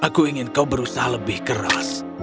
aku ingin kau berusaha lebih keras